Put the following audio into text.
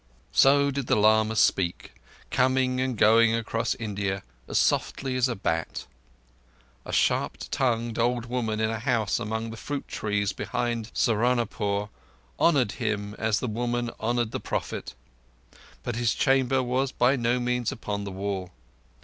So did the lama speak, coming and going across India as softly as a bat. A sharp tongued old woman in a house among the fruit trees behind Saharunpore honoured him as the woman honoured the prophet, but his chamber was by no means upon the wall.